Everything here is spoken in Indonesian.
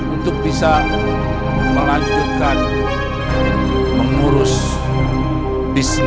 untuk bisa melanjutkan mengurus bisnis